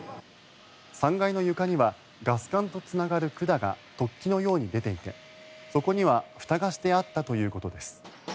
３階の床にはガス管とつながる管が突起のように出ていてそこには、ふたがしてあったということです。